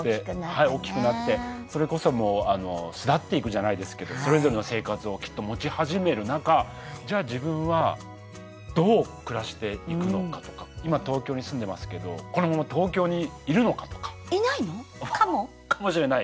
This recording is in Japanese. はい大きくなってそれこそもう巣立っていくじゃないですけどそれぞれの生活をきっと持ち始める中じゃあ今東京に住んでますけどいないの？かも？かもしれない。